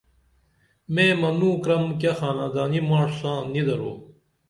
مے منوں کرَم کیہ خاندانی ماݜ ساں نی درو